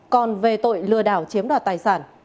còn về tội lừa đảo chiếm đoạt tài sản